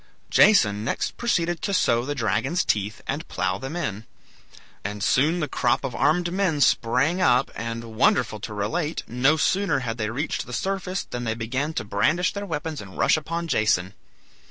Jason next proceeded to sow the dragon's teeth and plough them in. And soon the crop of armed men sprang up, and, wonderful to relate! no sooner had they reached the surface than they began to brandish their weapons and rush upon Jason.